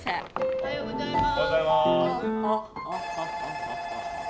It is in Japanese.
おはようございます。